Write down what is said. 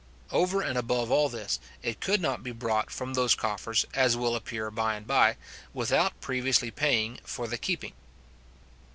Over and above all this, it could not be brought from those coffers, as will appear by and by, without previously paying for the keeping.